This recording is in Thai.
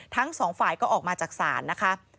ทั้งสองฝ่ายก็ออกมาจากศาลนะคะ